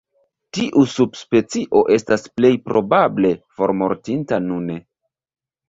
Tiu subspecio estas plej probable formortinta nune.